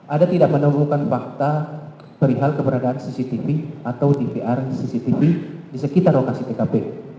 ada tidak menemukan fakta perihal keberadaan cctv atau dvr cctv di sekitar lokasi tkp